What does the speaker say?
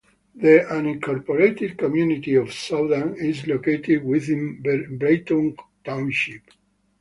The unincorporated community of Soudan is located within Breitung Township.